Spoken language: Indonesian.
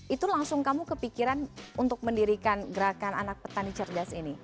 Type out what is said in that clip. itu langsung kamu kepikiran untuk mendirikan gerakan anak petani cerdas ini